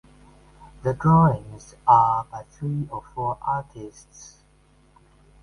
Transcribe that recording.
The drawings are by three or four artists.